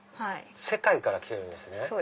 世界から来てるんですね。